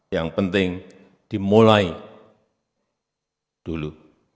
yang penting dimulai dulu